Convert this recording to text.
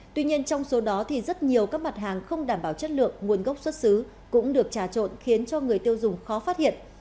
tuy nhiên trong số đó thì rất nhiều các mặt hàng không đảm bảo chất lượng nguồn gốc xuất xứ cũng được trà trộn khiến cho người tiêu dùng khó phát hiện